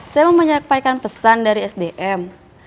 saya mau menyampaikan pesan dari sdm